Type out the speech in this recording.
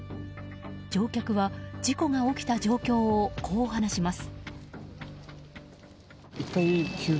乗客は事故が起きた状況をこう話します。